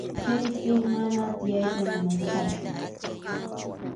Chaypi mana tiyayta munasqachu.